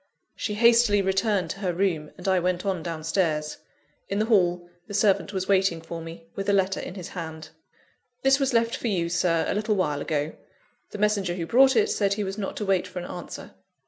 She hastily returned to her room, and I went on down stairs. In the hall, the servant was waiting for me, with a letter in his hand. "This was left for you, Sir, a little while ago. The messenger who brought it said he was not to wait for an answer."